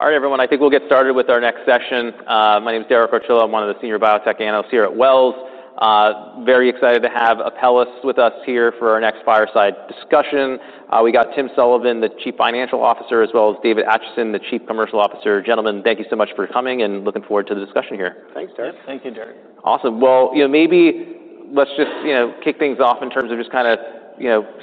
All right, everyone, I think we'll get started with our next session. My name is Derek Archila. I'm one of the Senior Biotech Analysts here at Wells Fargo. Very excited to have Apellis Pharmaceuticals with us here for our next fireside discussion. We've got Tim Sullivan, the Chief Financial Officer, as well as David Acheson, the Chief Commercial Officer. Gentlemen, thank you so much for coming and looking forward to the discussion here. Thanks, Derek. Thank you, Derek. Awesome. Maybe let's just kick things off in terms of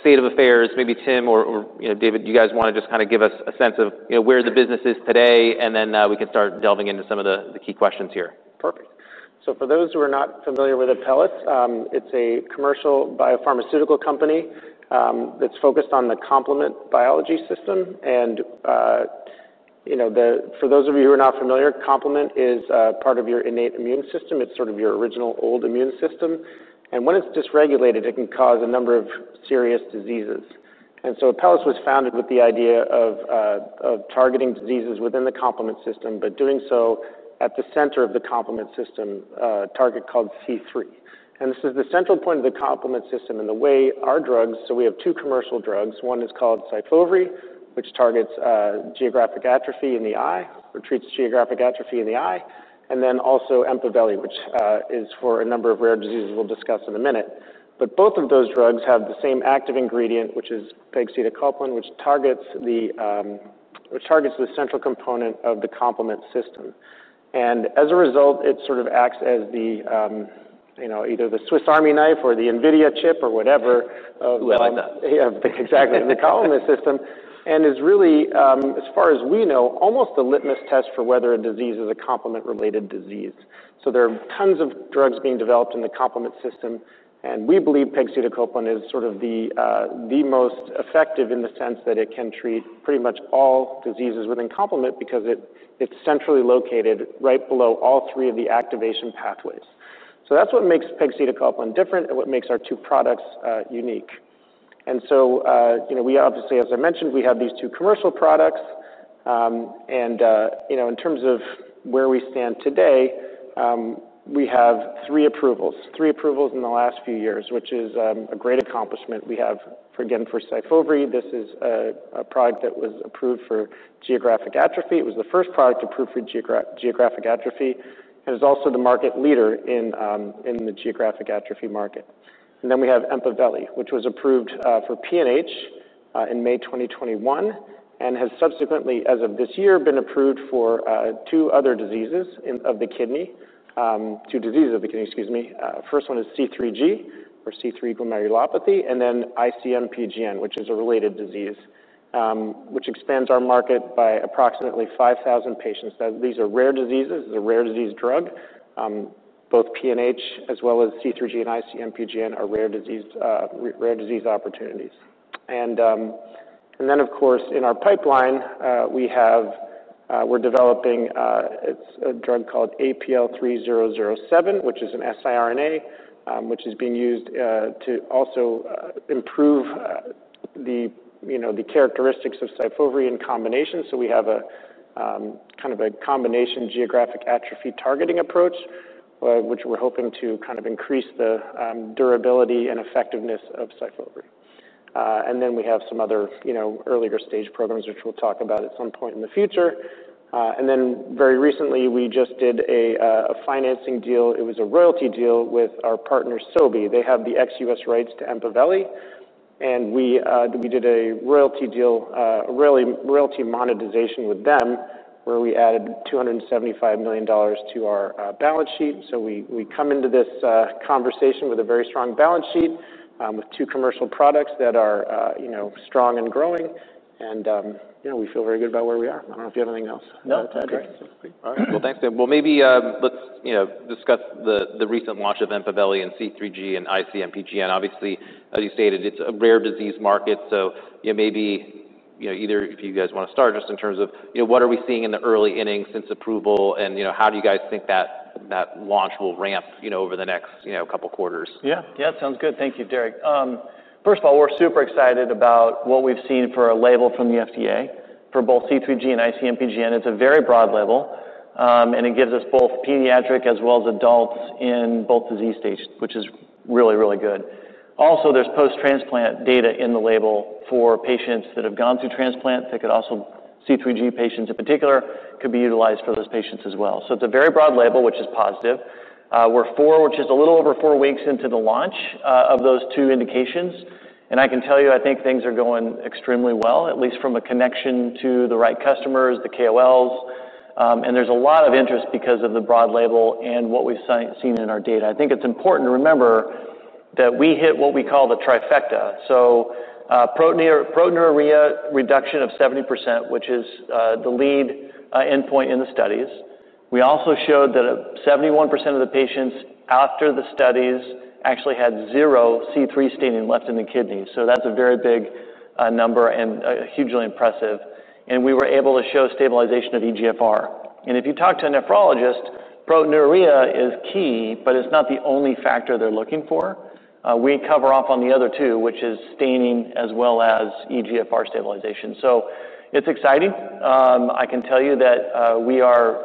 state of affairs. Maybe Tim or David, do you guys want to give us a sense of where the business is today? Then we can start delving into some of the key questions here. Perfect. For those who are not familiar with Apellis Pharmaceuticals, it's a commercial biopharmaceutical company that's focused on complement biology. For those of you who are not familiar, complement is part of your innate immune system. It's sort of your original old immune system. When it's dysregulated, it can cause a number of serious diseases. Apellis Pharmaceuticals was founded with the idea of targeting diseases within the complement system, but doing so at the center of the complement system, a target called C3. This is the central point of the complement system in the way our drugs work. We have two commercial drugs. One is called SYFOVRE, which targets geographic atrophy in the eye, or treats geographic atrophy in the eye, and then also EMPAVELI, which is for a number of rare diseases we'll discuss in a minute. Both of those drugs have the same active ingredient, which is pegcetacoplan, which targets the central component of the complement system. As a result, it sort of acts as the, you know, either the Swiss Army knife or the Nvidia chip or whatever. The columnist. Yeah, exactly. The complement system is really, as far as we know, almost a litmus test for whether a disease is a complement-related disease. There are tons of drugs being developed in the complement system. We believe pegcetacoplan is sort of the most effective in the sense that it can treat pretty much all diseases within complement because it's centrally located right below all three of the activation pathways. That's what makes pegcetacoplan different and what makes our two products unique. As I mentioned, we have these two commercial products. In terms of where we stand today, we have three approvals, three approvals in the last few years, which is a great accomplishment. For, again, for SYFOVRE, this is a product that was approved for geographic atrophy. It was the first product approved for geographic atrophy, and it's also the market leader in the geographic atrophy market. Then we have EMPAVELI, which was approved for PNH in May 2021, and has subsequently, as of this year, been approved for two other diseases of the kidney, two diseases of the kidney, excuse me. The first one is C3G, or C3 glomerulopathy, and then IC-MPGN, which is a related disease, which expands our market by approximately 5,000 patients. These are rare diseases. It's a rare disease drug. Both PNH, as well as C3G and IC-MPGN, are rare disease opportunities. In our pipeline, we're developing a drug called APL-3007, which is an siRNA, which is being used to also improve the characteristics of SYFOVRE in combination. We have a kind of a combination geographic atrophy targeting approach, which we're hoping to kind of increase the durability and effectiveness of SYFOVRE. We have some other earlier stage programs, which we'll talk about at some point in the future. Very recently, we just did a financing deal. It was a royalty deal with our partner, Sobi. They have the ex-US rights to EMPAVELI. We did a royalty deal, a royalty monetization with them, where we added $275 million to our balance sheet. We come into this conversation with a very strong balance sheet, with two commercial products that are strong and growing. We feel very good about where we are. I don't know if you have anything else. No, that's great. All right. Thanks, Tim. Maybe let's discuss the recent launch of EMPAVELI in C3G and IC-MPGN. Obviously, as you stated, it's a rare disease market. Maybe, if you guys want to start just in terms of what are we seeing in the early innings since approval? How do you guys think that launch will ramp over the next couple of quarters? Yeah, yeah, it sounds good. Thank you, Derek. First of all, we're super excited about what we've seen for a label from the FDA for both C3G and IC-MPGN. It's a very broad label, and it gives us both pediatric as well as adults in both disease stages, which is really, really good. Also, there's post-transplant data in the label for patients that have gone through transplant that could also, C3G patients in particular, could be utilized for those patients as well. It's a very broad label, which is positive. We're a little over four weeks into the launch of those two indications, and I can tell you, I think things are going extremely well, at least from a connection to the right customers, the KOLs, and there's a lot of interest because of the broad label and what we've seen in our data. I think it's important to remember that we hit what we call the trifecta. Proteinuria reduction of 70%, which is the lead endpoint in the studies. We also showed that 71% of the patients after the studies actually had zero C3 staining left in the kidney. That's a very big number and hugely impressive. We were able to show stabilization of eGFR. If you talk to a nephrologist, proteinuria is key, but it's not the only factor they're looking for. We cover off on the other two, which is staining as well as eGFR stabilization. It's exciting. I can tell you that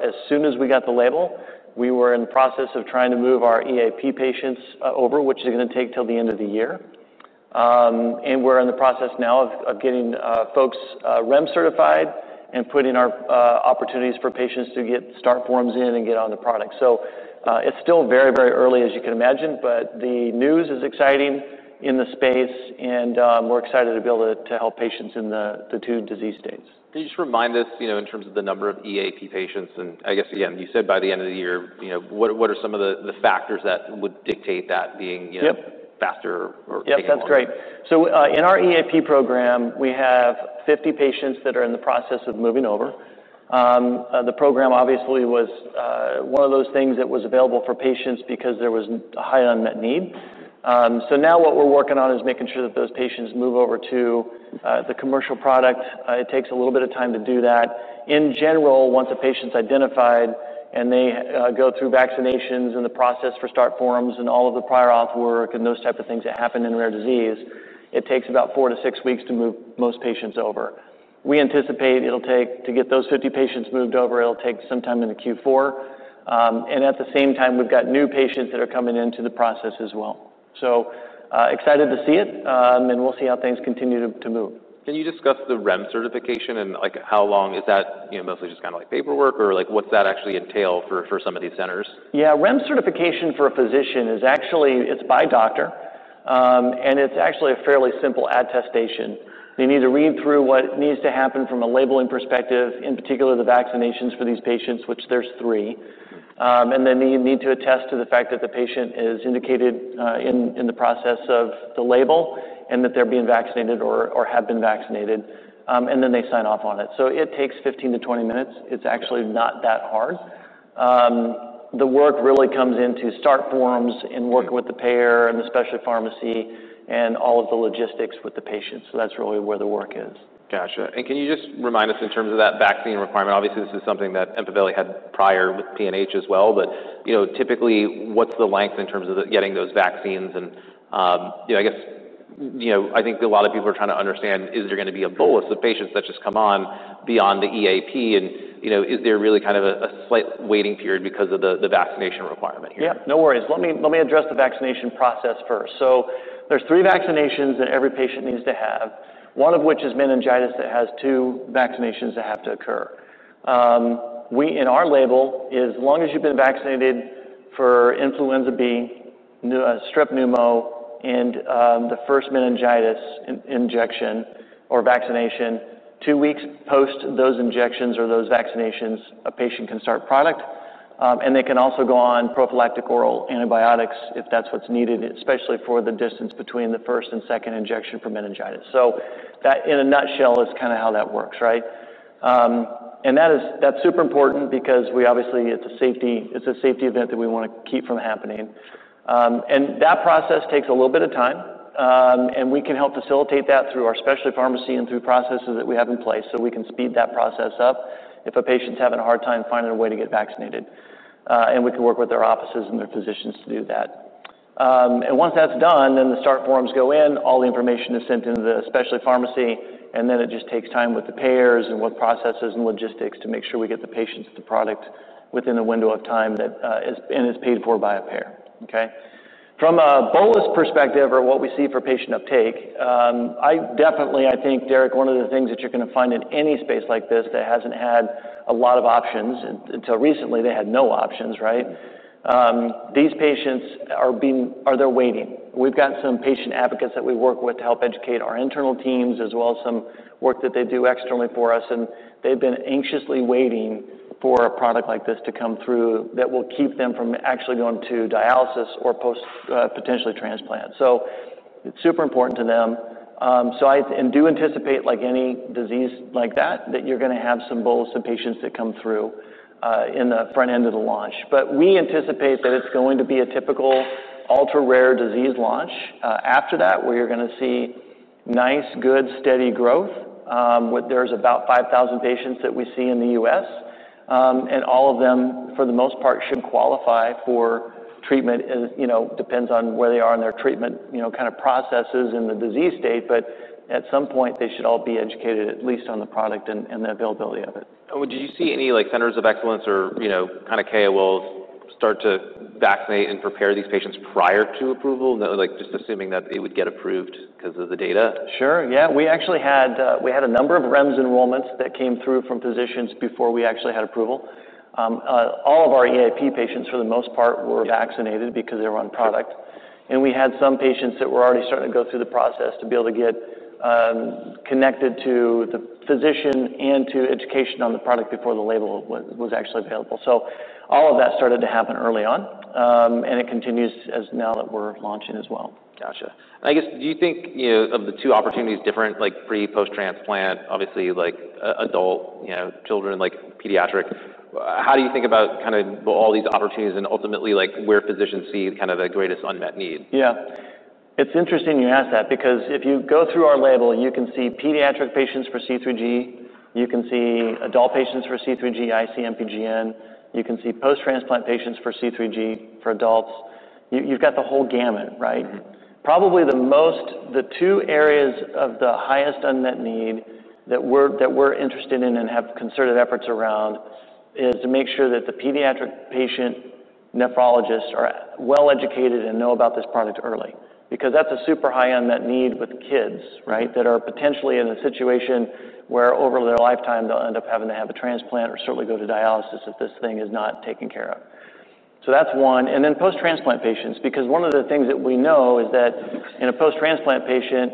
as soon as we got the label, we were in the process of trying to move our expanded access program patients over, which is going to take till the end of the year, and we're in the process now of getting folks REM certified and putting our opportunities for patients to get start forms in and get on the product. It's still very, very early, as you can imagine, but the news is exciting in the space, and we're excited to be able to help patients in the two disease stages. Can you just remind us, in terms of the number of EAP patients? I guess, again, you said by the end of the year, what are some of the factors that would dictate that being faster or? Yeah, that's great. In our expanded access program, we have 50 patients that are in the process of moving over. The program obviously was one of those things that was available for patients because there was a high unmet need. Now what we're working on is making sure that those patients move over to the commercial product. It takes a little bit of time to do that. In general, once a patient's identified and they go through vaccinations and the process for start forms and all of the prior auth work and those types of things that happen in rare disease, it takes about four to six weeks to move most patients over. We anticipate it'll take to get those 50 patients moved over, it'll take some time in Q4. At the same time, we've got new patients that are coming into the process as well. Excited to see it, and we'll see how things continue to move. Can you discuss the REM certification and how long is that, you know, mostly just kind of like paperwork or what's that actually entail for some of these centers? Yeah, REM certification for a physician is actually, it's by doctor, and it's actually a fairly simple attestation. They need to read through what needs to happen from a labeling perspective, in particular the vaccinations for these patients, which there's three, and then they need to attest to the fact that the patient is indicated, in the process of the label and that they're being vaccinated or have been vaccinated, and then they sign off on it. It takes 15 to 20 minutes. It's actually not that hard. The work really comes into start forms and working with the payer and the specialty pharmacy and all of the logistics with the patient. That's really where the work is. Gotcha. Can you just remind us in terms of that vaccine requirement? Obviously, this is something that EMPAVELI had prior with PNH as well, but typically, what's the length in terms of getting those vaccines? I think a lot of people are trying to understand, is there going to be a bolus of patients that just come on beyond the expanded access program? Is there really kind of a slight waiting period because of the vaccination requirement here? Yeah, no worries. Let me address the vaccination process first. There are three vaccinations that every patient needs to have, one of which is meningitis that has two vaccinations that have to occur. We, in our label, as long as you've been vaccinated for influenza B, strep pneumo, and the first meningitis injection or vaccination, two weeks post those injections or those vaccinations, a patient can start product. They can also go on prophylactic oral antibiotics if that's what's needed, especially for the distance between the first and second injection for meningitis. That, in a nutshell, is kind of how that works, right? That is super important because obviously, it's a safety event that we want to keep from happening. That process takes a little bit of time. We can help facilitate that through our specialty pharmacy and through processes that we have in place so we can speed that process up if a patient's having a hard time finding a way to get vaccinated. We can work with their offices and their physicians to do that. Once that's done, then the start forms go in, all the information is sent into the specialty pharmacy, and then it just takes time with the payers and what processes and logistics to make sure we get the patients to the product within a window of time that is and is paid for by a payer. Okay. From a bolus perspective or what we see for patient uptake, I definitely think, Derek, one of the things that you're going to find in any space like this that hasn't had a lot of options until recently, they had no options, right? These patients are being, they're waiting. We've got some patient advocates that we work with to help educate our internal teams as well as some work that they do externally for us. They've been anxiously waiting for a product like this to come through that will keep them from actually going to dialysis or potentially post transplant. It is super important to them. I do anticipate, like any disease like that, that you're going to have some bolus and patients that come through in the front end of the launch. We anticipate that it's going to be a typical ultra-rare disease launch after that, where you're going to see nice, good, steady growth. There's about 5,000 patients that we see in the U.S., and all of them, for the most part, should qualify for treatment. It depends on where they are in their treatment, kind of processes in the disease state. At some point, they should all be educated at least on the product and the availability of it. Would you see any centers of excellence or KOLs start to vaccinate and prepare these patients prior to approval, just assuming that it would get approved because of the data? Sure. Yeah. We actually had a number of REMS enrollments that came through from physicians before we actually had approval. All of our EAP patients, for the most part, were vaccinated because they were on product. We had some patients that were already starting to go through the process to be able to get connected to the physician and to education on the product before the label was actually available. All of that started to happen early on, and it continues as now that we're launching as well. Gotcha. Do you think, you know, of the two opportunities, different, like pre-post-transplant, obviously, like adult, you know, children, like pediatric? How do you think about kind of all these opportunities and ultimately like where physicians see kind of the greatest unmet need? Yeah. It's interesting you ask that because if you go through our label, you can see pediatric patients for C3G. You can see adult patients for C3G, IC-MPGN. You can see post-transplant patients for C3G for adults. You've got the whole gamut, right? Probably the two areas of the highest unmet need that we're interested in and have concerted efforts around is to make sure that the pediatric patient nephrologists are well educated and know about this product early because that's a super high unmet need with kids, right, that are potentially in a situation where over their lifetime, they'll end up having to have a transplant or certainly go to dialysis if this thing is not taken care of. That's one. Then post-transplant patients, because one of the things that we know is that in a post-transplant patient,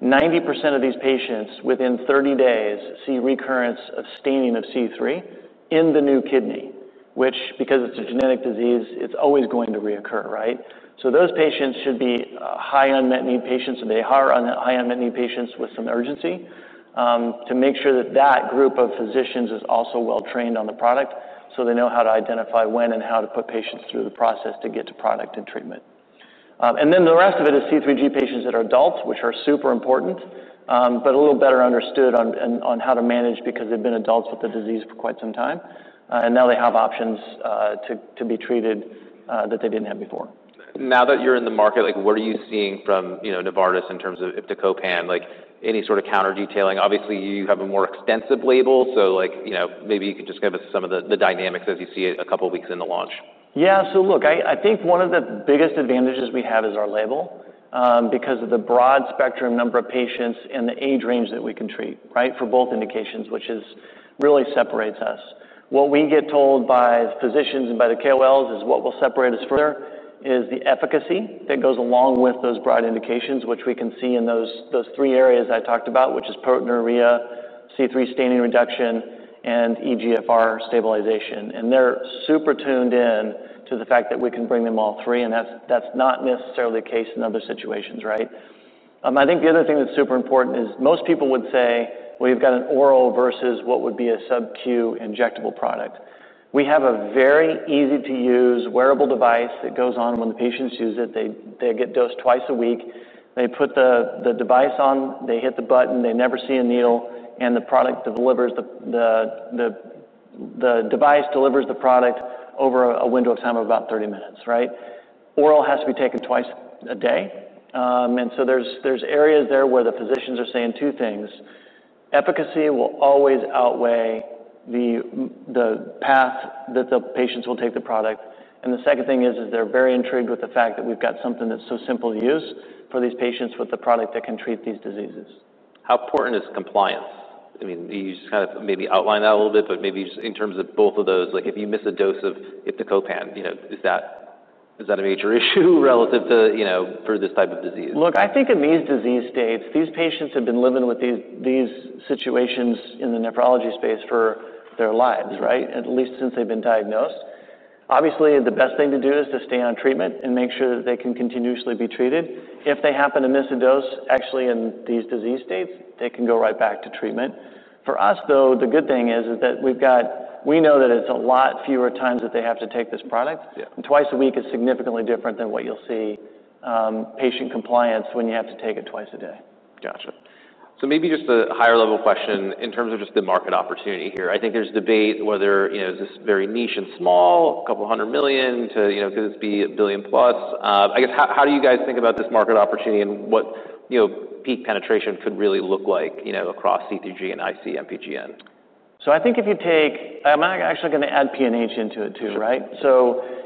90% of these patients within 30 days see recurrence of staining of C3 in the new kidney, which, because it's a genetic disease, it's always going to reoccur, right? Those patients should be high unmet need patients, and they are high unmet need patients with some urgency, to make sure that that group of physicians is also well trained on the product so they know how to identify when and how to put patients through the process to get to product and treatment. The rest of it is C3G patients that are adults, which are super important, but a little better understood on how to manage because they've been adults with the disease for quite some time, and now they have options to be treated that they didn't have before. Now that you're in the market, what are you seeing from Novartis in terms of IPTO, COPAN, any sort of counter detailing? Obviously, you have a more extensive label. Maybe you could just give us some of the dynamics as you see a couple of weeks in the launch. Yeah. I think one of the biggest advantages we have is our label, because of the broad spectrum number of patients and the age range that we can treat, right, for both indications, which really separates us. What we get told by the physicians and by the KOLs is what will separate us further is the efficacy that goes along with those broad indications, which we can see in those three areas I talked about, which is proteinuria, C3 staining reduction, and eGFR stabilization. They're super tuned in to the fact that we can bring them all three. That's not necessarily the case in other situations, right? I think the other thing that's super important is most people would say, you've got an oral versus what would be a sub-Q injectable product. We have a very easy-to-use wearable device that goes on when the patients use it. They get dosed twice a week. They put the device on, they hit the button, they never see a needle, and the device delivers the product over a window of time of about 30 minutes, right? Oral has to be taken twice a day, and so there's areas there where the physicians are saying two things. Efficacy will always outweigh the path that the patients will take the product. The second thing is, they're very intrigued with the fact that we've got something that's so simple to use for these patients with the product that can treat these diseases. How important is compliance? I mean, you just kind of maybe outline that a little bit, but maybe just in terms of both of those, like if you miss a dose of pegcetacoplan, you know, is that a major issue relative to, you know, for this type of disease? Look, I think in these disease states, these patients have been living with these situations in the nephrology space for their lives, right? At least since they've been diagnosed. Obviously, the best thing to do is to stay on treatment and make sure that they can continuously be treated. If they happen to miss a dose, actually, in these disease states, they can go right back to treatment. For us, though, the good thing is that we've got, we know that it's a lot fewer times that they have to take this product. Twice a week is significantly different than what you'll see, patient compliance when you have to take it twice a day. Gotcha. Maybe just a higher-level question in terms of the market opportunity here. I think there's debate whether, you know, is this very niche and small, a couple hundred million to, you know, could this be a billion plus? I guess how do you guys think about this market opportunity and what peak penetration could really look like, you know, across C3G and IC-MPGN? I think if you take, I'm actually going to add PNH into it too, right?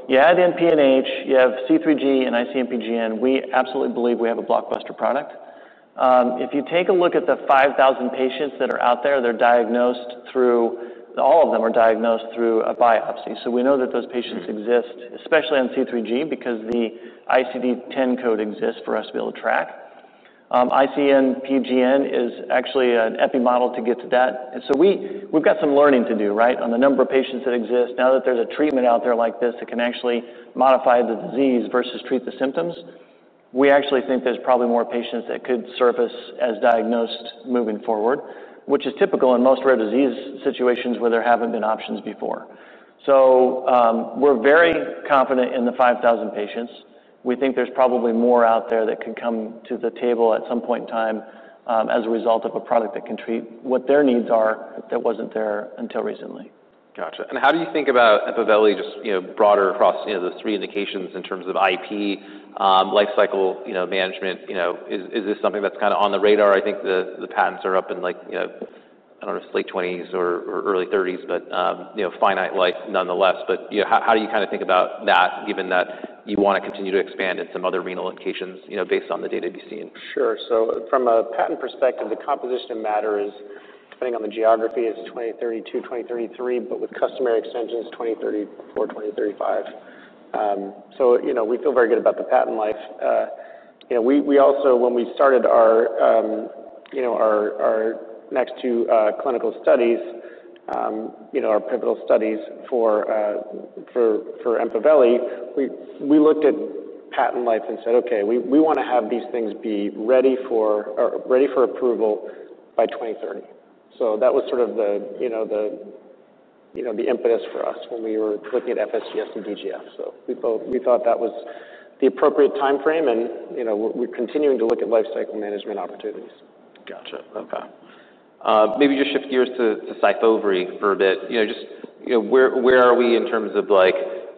You add in PNH, you have C3G and IC-MPGN. We absolutely believe we have a blockbuster product. If you take a look at the 5,000 patients that are out there, they're diagnosed through, all of them are diagnosed through a biopsy. We know that those patients exist, especially on C3G because the ICD-10 code exists for us to be able to track. IC-MPGN is actually an epi model to get to that. We've got some learning to do, right, on the number of patients that exist. Now that there's a treatment out there like this that can actually modify the disease versus treat the symptoms, we actually think there's probably more patients that could surface as diagnosed moving forward, which is typical in most rare disease situations where there haven't been options before. We're very confident in the 5,000 patients. We think there's probably more out there that could come to the table at some point in time, as a result of a product that can treat what their needs are that wasn't there until recently. Gotcha. How do you think about EMPAVELI, just, you know, broader across, you know, the three indications in terms of IP, lifecycle, you know, management? Is this something that's kind of on the radar? I think the patents are up in like, you know, I don't know if it's late 2020s or early 2030s, but, you know, finite nonetheless. How do you kind of think about that given that you want to continue to expand in some other renal locations, you know, based on the data you've seen? Sure. From a patent perspective, the composition of matter is, depending on the geography, it's 2032, 2033, but with customary extensions, 2034, 2035. We feel very good about the patent life. We also, when we started our next two clinical studies, our pivotal studies for EMPAVELI, we looked at patent life and said, okay, we want to have these things be ready for or ready for approval by 2030. That was sort of the impetus for us when we were looking at FSGS and DGF. We thought that was the appropriate timeframe and we're continuing to look at lifecycle management opportunities. Gotcha. Okay. Maybe just shift gears to SYFOVRE for a bit. You know, just, you know, where are we in terms of like,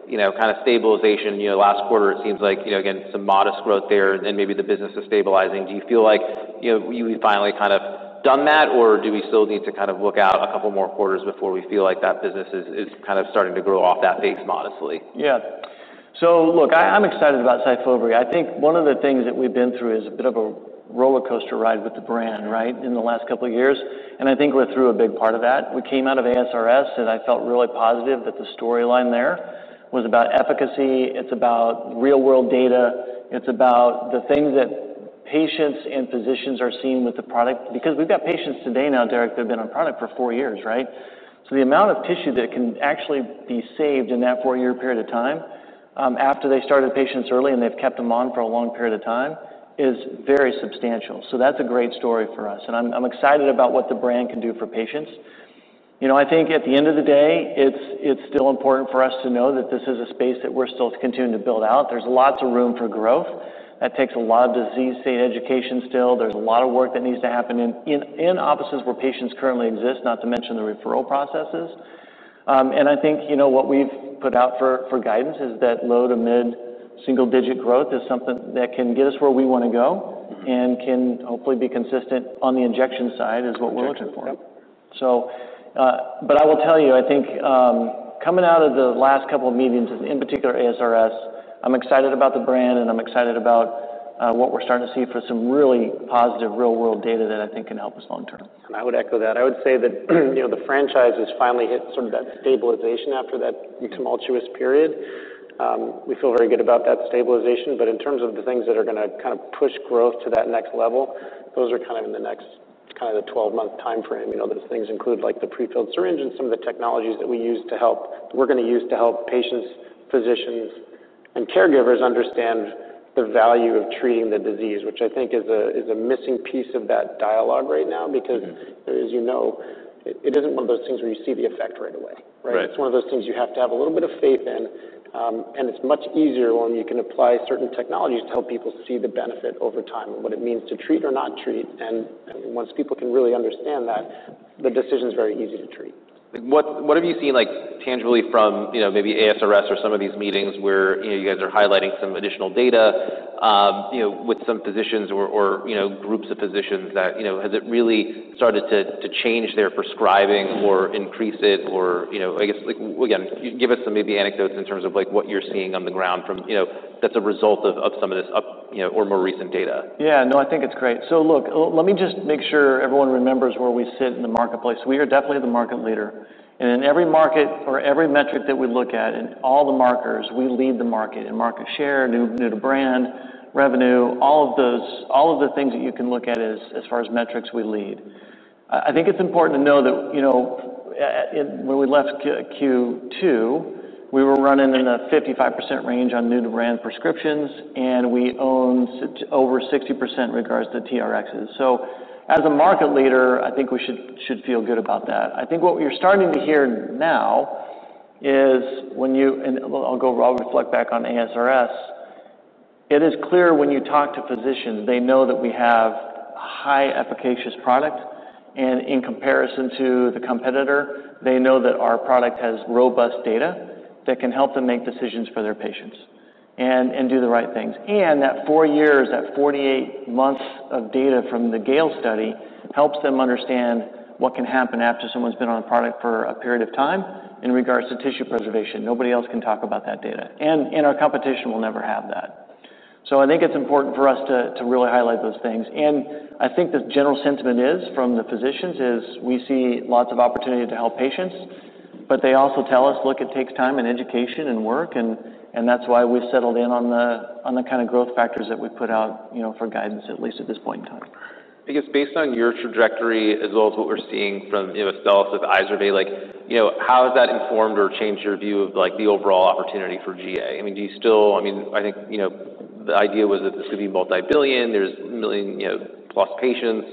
you know, kind of stabilization? You know, last quarter, it seems like, you know, again, some modest growth there, and maybe the business is stabilizing. Do you feel like, you know, we've finally kind of done that, or do we still need to kind of look out a couple more quarters before we feel like that business is kind of starting to grow off that base modestly? Yeah. So look, I'm excited about SYFOVRE. I think one of the things that we've been through is a bit of a roller coaster ride with the brand, right, in the last couple of years. I think we're through a big part of that. We came out of ASRS and I felt really positive that the storyline there was about efficacy. It's about real-world data. It's about the things that patients and physicians are seeing with the product. Because we've got patients today now, Derek, they've been on product for four years, right? The amount of tissue that can actually be saved in that four-year period of time, after they started patients early and they've kept them on for a long period of time, is very substantial. That's a great story for us. I'm excited about what the brand can do for patients. You know, I think at the end of the day, it's still important for us to know that this is a space that we're still continuing to build out. There's lots of room for growth. That takes a lot of disease state education still. There's a lot of work that needs to happen in offices where patients currently exist, not to mention the referral processes. I think, you know, what we've put out for guidance is that low to mid-single-digit growth is something that can get us where we want to go and can hopefully be consistent on the injection side, is what we're looking for. I will tell you, I think, coming out of the last couple of meetings, in particular ASRS, I'm excited about the brand and I'm excited about what we're starting to see for some really positive real-world data that I think can help us long term. I would echo that. I would say that, you know, the franchise has finally hit sort of that stabilization after that tumultuous period. We feel very good about that stabilization. In terms of the things that are going to kind of push growth to that next level, those are kind of in the next kind of the 12-month timeframe. You know, those things include like the prefilled syringe and some of the technologies that we use to help, we're going to use to help patients, physicians, and caregivers understand the value of treating the disease, which I think is a missing piece of that dialogue right now because, as you know, it isn't one of those things where you see the effect right away, right? It's one of those things you have to have a little bit of faith in. It's much easier when you can apply certain technologies to help people see the benefit over time and what it means to treat or not treat. Once people can really understand that, the decision is very easy to treat. What have you seen tangibly from, you know, maybe ASRS or some of these meetings where you guys are highlighting some additional data with some physicians or groups of physicians? Has it really started to change their prescribing or increase it? I guess, again, give us some anecdotes in terms of what you're seeing on the ground that's a result of some of this more recent data. Yeah, no, I think it's great. Let me just make sure everyone remembers where we sit in the marketplace. We are definitely the market leader, and in every market or every metric that we look at, in all the markers, we lead the market in market share, new new brand, revenue, all of those, all of the things that you can look at as far as metrics we lead. I think it's important to know that, you know, when we left Q2, we were running in the 55% range on new to brand prescriptions, and we own over 60% in regards to TRXs. As a market leader, I think we should feel good about that. I think what you're starting to hear now is when you, and I'll reflect back on ASRS, it is clear when you talk to physicians, they know that we have a high efficacious product. In comparison to the competitor, they know that our product has robust data that can help them make decisions for their patients and do the right things. That four years, that 48 months of data from the GALE study helps them understand what can happen after someone's been on a product for a period of time in regards to tissue preservation. Nobody else can talk about that data, and our competition will never have that. I think it's important for us to really highlight those things. I think the general sentiment from the physicians is we see lots of opportunity to help patients, but they also tell us, look, it takes time and education and work. That's why we've settled in on the kind of growth factors that we put out, you know, for guidance, at least at this point in time. I guess based on your trajectory as well as what we're seeing from, you know, a sell-off with yesterday, how has that informed or changed your view of the overall opportunity for GA? I mean, do you still, I mean, I think the idea was that this could be multi-billion. There's a million, you know, plus patients.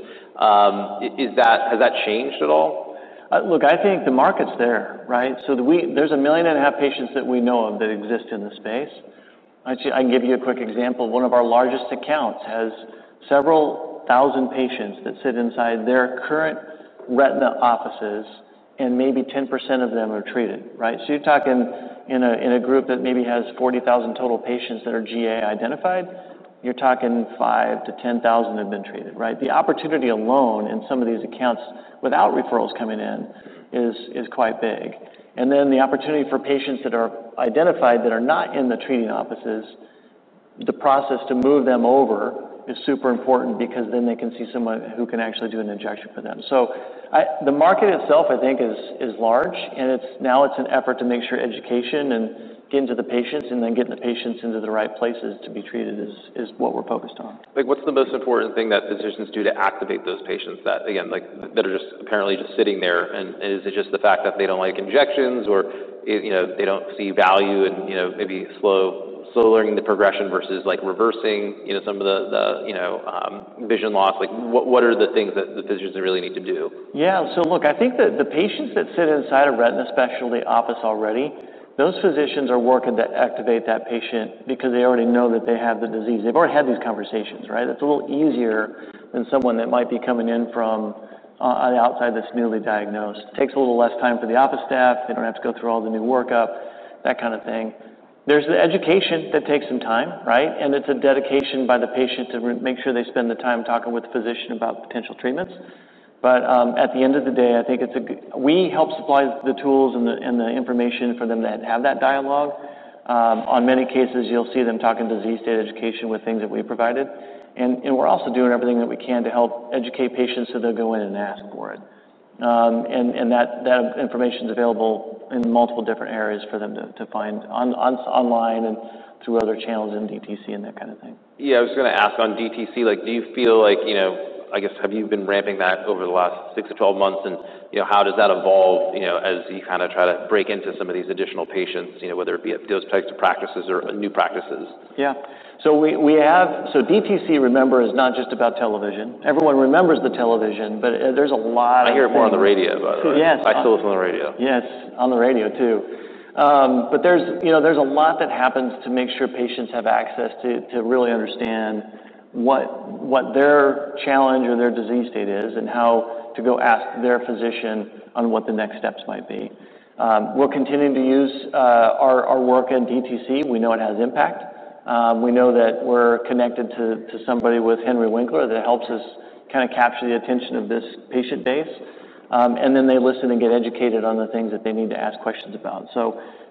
Is that, has that changed at all? Look, I think the market's there, right? There's a million and a half patients that we know of that exist in the space. I can give you a quick example. One of our largest accounts has several thousand patients that sit inside their current retina offices, and maybe 10% of them are treated, right? In a group that maybe has 40,000 total patients that are GA identified, you're talking five to ten thousand that have been treated, right? The opportunity alone in some of these accounts without referrals coming in is quite big. The opportunity for patients that are identified that are not in the treating offices, the process to move them over is super important because then they can see someone who can actually do an injection for them. The market itself, I think, is large, and now it's an effort to make sure education and getting to the patients and then getting the patients into the right places to be treated is what we're focused on. What's the most important thing that physicians do to activate those patients that are just apparently sitting there? Is it just the fact that they don't like injections, or they don't see value in maybe slowly slowing the progression versus reversing some of the vision loss? What are the things that the physicians really need to do? Yeah. I think that the patients that sit inside a retina specialty office already, those physicians are working to activate that patient because they already know that they have the disease. They've already had these conversations, right? It's a little easier than someone that might be coming in from the outside that's newly diagnosed. It takes a little less time for the office staff. They don't have to go through all the new workup, that kind of thing. There's the education that takes some time, right? It's a dedication by the patient to make sure they spend the time talking with the physician about potential treatments. At the end of the day, I think we help supply the tools and the information for them to have that dialogue. In many cases, you'll see them talking disease state education with things that we provided. We're also doing everything that we can to help educate patients so they'll go in and ask for it. That information is available in multiple different areas for them to find online and through other channels in DTC and that kind of thing. Yeah, I was going to ask on DTC, like, do you feel like, you know, I guess have you been ramping that over the last 6 to 12 months? You know, how does that evolve, you know, as you kind of try to break into some of these additional patients, you know, whether it be at those types of practices or new practices? Yeah. We have, so DTC, remember, is not just about television. Everyone remembers the television, but there's a lot of. I hear it more on the radio, by the way. Yes. I still listen on the radio. Yes, on the radio too, but there's a lot that happens to make sure patients have access to really understand what their challenge or their disease state is and how to go ask their physician what the next steps might be. We're continuing to use our work in DTC. We know it has impact. We know that we're connected to somebody with Henry Winkler that helps us kind of capture the attention of this patient base, and then they listen and get educated on the things that they need to ask questions about.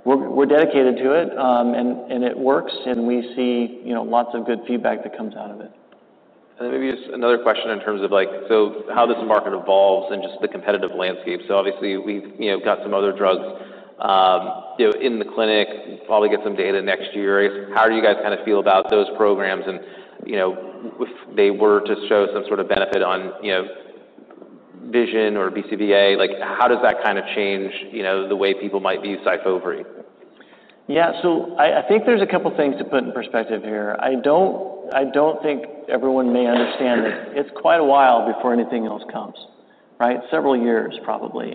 We're dedicated to it, and it works. We see lots of good feedback that comes out of it. Maybe just another question in terms of how this market evolves and the competitive landscape. Obviously, we've got some other drugs in the clinic, probably get some data next year. I guess, how do you guys kind of feel about those programs? If they were to show some sort of benefit on vision or BCVA, how does that kind of change the way people might view SYFOVRE? Yeah, I think there's a couple of things to put in perspective here. I don't think everyone may understand that it's quite a while before anything else comes, right? Several years, probably.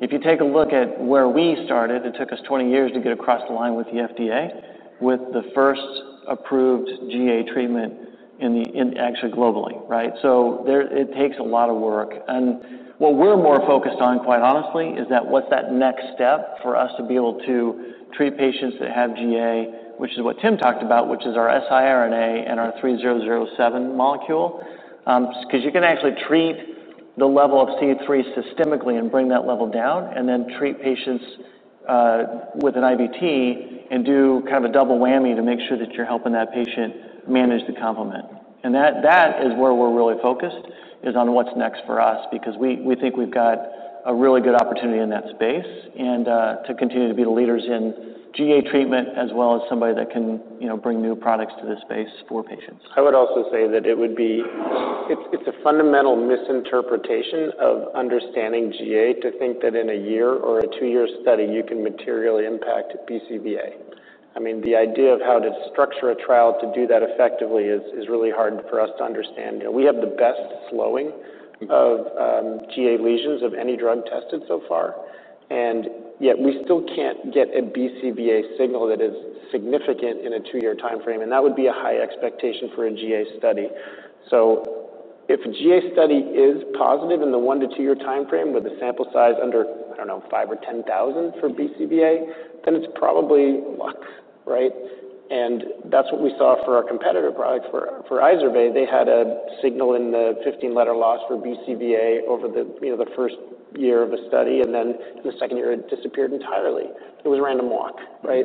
If you take a look at where we started, it took us 20 years to get across the line with the FDA with the first approved GA treatment globally, right? It takes a lot of work. What we're more focused on, quite honestly, is what's that next step for us to be able to treat patients that have GA, which is what Tim talked about, which is our siRNA and our APL-3007 molecule. You can actually treat the level of C3 systemically and bring that level down and then treat patients with an IVT and do kind of a double whammy to make sure that you're helping that patient manage the complement. That is where we're really focused, on what's next for us, because we think we've got a really good opportunity in that space to continue to be the leaders in GA treatment as well as somebody that can bring new products to this space for patients. I would also say that it would be a fundamental misinterpretation of understanding GA to think that in a year or a two-year study, you can materially impact BCVA. The idea of how to structure a trial to do that effectively is really hard for us to understand. You know, we have the best slowing of GA lesions of any drug tested so far, and yet we still can't get a BCVA signal that is significant in a two-year timeframe. That would be a high expectation for a GA study. If a GA study is positive in the one to two-year timeframe with a sample size under, I don't know, five or ten thousand for BCVA, then it's probably luck, right? That's what we saw for our competitor products. For Eiservay, they had a signal in the 15-letter loss for BCVA over the first year of a study, and then in the second year, it disappeared entirely. It was random walk, right?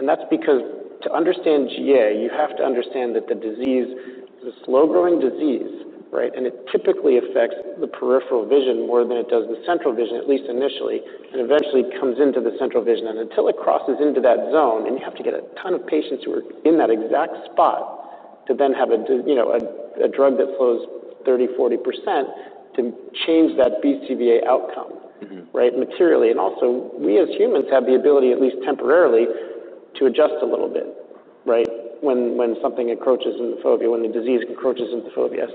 That's because to understand GA, you have to understand that the disease is a slow-growing disease, right? It typically affects the peripheral vision more than it does the central vision, at least initially, and eventually comes into the central vision. Until it crosses into that zone, and you have to get a ton of patients who are in that exact spot to then have a drug that slows 30% or 40% to change that BCVA outcome materially. Also, we as humans have the ability, at least temporarily, to adjust a little bit when something encroaches in the fovea, when the disease encroaches in the fovea.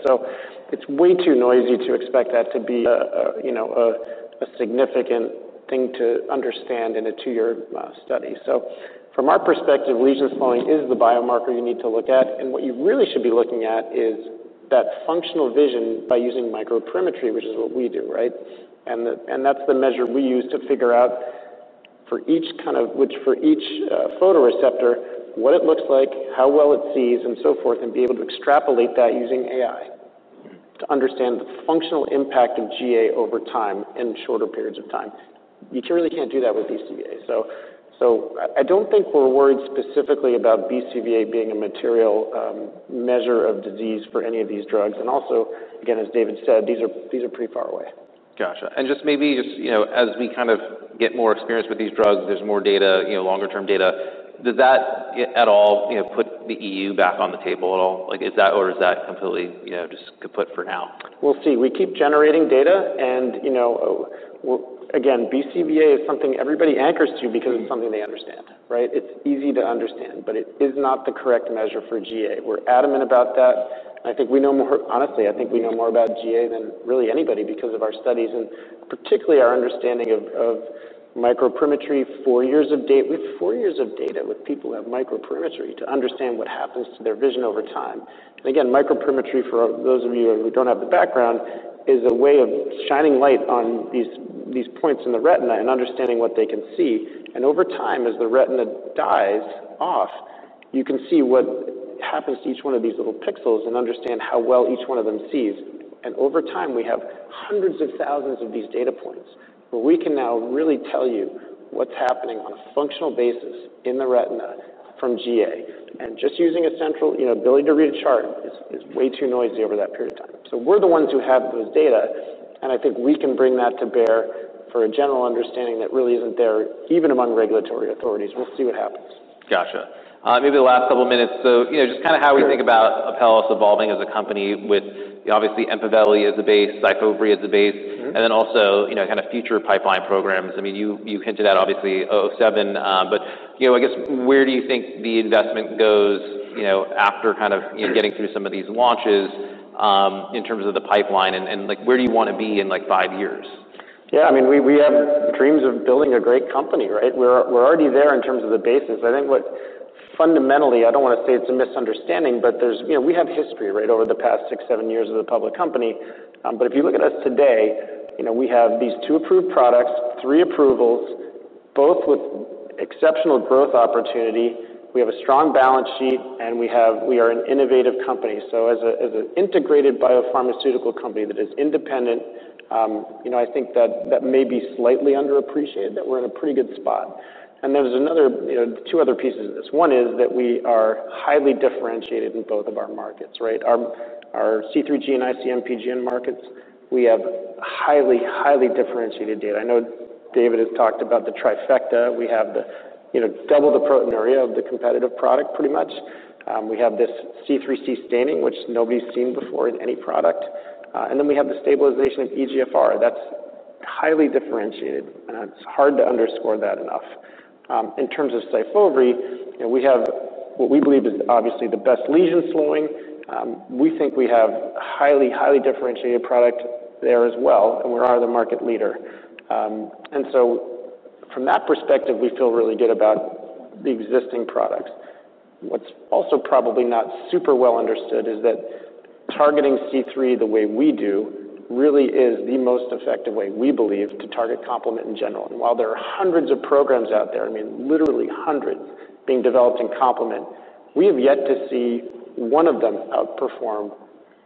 It's way too noisy to expect that to be a significant thing to understand in a two-year study. From our perspective, lesion slowing is the biomarker you need to look at. What you really should be looking at is that functional vision by using microperimetry, which is what we do, right? That's the measure we use to figure out for each kind of, for each photoreceptor, what it looks like, how well it sees, and so forth, and be able to extrapolate that using AI to understand the functional impact of GA over time in shorter periods of time. You really can't do that with BCVA. I don't think we're worried specifically about BCVA being a material measure of disease for any of these drugs. Also, again, as David said, these are pretty far away. Gotcha. Maybe just, you know, as we kind of get more experience with these drugs, there's more data, you know, longer-term data. Does that at all, you know, put the EU back on the table at all? Is that or is that completely, you know, just good put for now? We'll see. We keep generating data. You know, again, BCVA is something everybody anchors to because it's something they understand, right? It's easy to understand, but it is not the correct measure for GA. We're adamant about that. I think we know more, honestly, I think we know more about GA than really anybody because of our studies and particularly our understanding of microperimetry. Four years of data, we have four years of data with people who have microperimetry to understand what happens to their vision over time. Microperimetry, for those of you who don't have the background, is a way of shining light on these points in the retina and understanding what they can see. Over time, as the retina dies off, you can see what happens to each one of these little pixels and understand how well each one of them sees. Over time, we have hundreds of thousands of these data points where we can now really tell you what's happening on a functional basis in the retina from GA. Just using a central ability to read a chart is way too noisy over that period of time. We're the ones who have those data. I think we can bring that to bear for a general understanding that really isn't there, even among regulatory authorities. We'll see what happens. Gotcha. Maybe the last couple of minutes, just kind of how we think about Apellis Pharmaceuticals evolving as a company with, obviously, EMPAVELI as a base, SYFOVRE as a base, and then also, kind of future pipeline programs. I mean, you hinted at, obviously, APL-3007. Where do you think the investment goes after getting through some of these launches, in terms of the pipeline? Where do you want to be in, like, five years? Yeah, I mean, we have dreams of building a great company, right? We're already there in terms of the basics. I think what fundamentally, I don't want to say it's a misunderstanding, but there's, you know, we have history, right, over the past six, seven years as a public company. If you look at us today, you know, we have these two approved products, three approvals, both with exceptional growth opportunity. We have a strong balance sheet, and we are an innovative company. As an integrated biopharmaceutical company that is independent, I think that may be slightly underappreciated that we're in a pretty good spot. There are another two other pieces of this. One is that we are highly differentiated in both of our markets, right? Our C3 glomerulopathy (C3G) and IC-MPGN markets, we have highly, highly differentiated data. I know David has talked about the trifecta. We have the, you know, double the proteinuria of the competitive product pretty much. We have this C3 staining, which nobody's seen before in any product. Then we have the stabilization in eGFR. That's highly differentiated. It's hard to underscore that enough. In terms of SYFOVRE, we have what we believe is obviously the best lesion slowing. We think we have a highly, highly differentiated product there as well. We are the market leader, and from that perspective, we feel really good about the existing products. What's also probably not super well understood is that targeting C3 the way we do really is the most effective way we believe to target complement in general. While there are hundreds of programs out there, I mean, literally hundreds being developed in complement, we have yet to see one of them outperform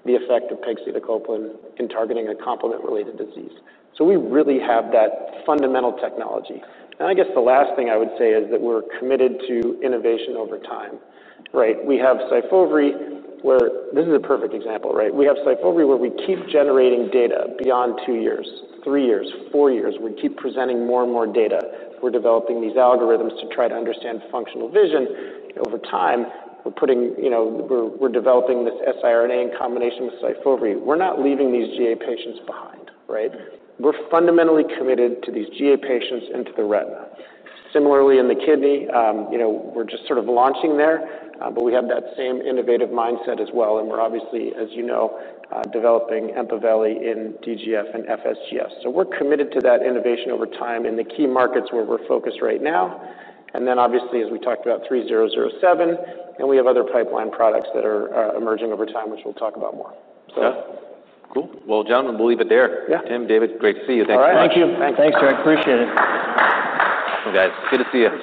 the effect of pegcetacoplan in targeting a complement-related disease. We really have that fundamental technology. I guess the last thing I would say is that we're committed to innovation over time, right? We have SYFOVRE where this is a perfect example, right? We have SYFOVRE where we keep generating data beyond two years, three years, four years. We keep presenting more and more data. We're developing these algorithms to try to understand functional vision. Over time, we're putting, you know, we're developing this siRNA in combination with SYFOVRE. We're not leaving these GA patients behind, right? We're fundamentally committed to these GA patients and to the retina. Similarly, in the kidney, you know, we're just sort of launching there. We have that same innovative mindset as well. We're obviously, as you know, developing EMPAVELI in DGF and FSGS. We're committed to that innovation over time in the key markets where we're focused right now. Obviously, as we talked about, APL-3007. We have other pipeline products that are emerging over time, which we'll talk about more. Yeah. Cool. Gentlemen, we'll leave it there. Tim, David, great to see you. Thanks for having us. Thank you. Thanks, Derek. Appreciate it. Awesome, guys. It's good to see you.